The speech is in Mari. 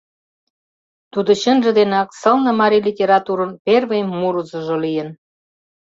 Тудо чынже денак сылне марий литературын первый мурызыжо лийын.